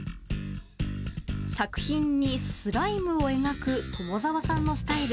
作品にスライムを描く友沢さんのスタイル。